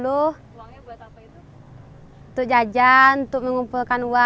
untuk jajan untuk mengumpulkan uang